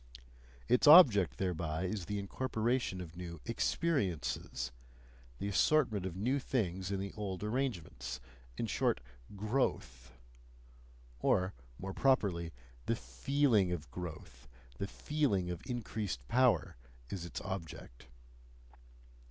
Its object thereby is the incorporation of new "experiences," the assortment of new things in the old arrangements in short, growth; or more properly, the FEELING of growth, the feeling of increased power is its object.